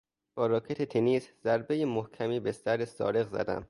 با راکت تنیس ضربهی محکمی به سر سارق زدم.